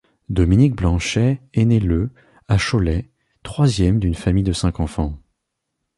Dominique Blanchet est né le à Cholet, troisième d'une famille de cinq enfants.